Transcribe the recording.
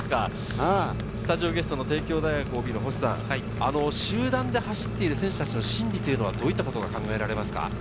スタジオゲスト、帝京大学ＯＢ・星さん、集団で走ってる選手たちの心理というのはどういうことが考えられますか？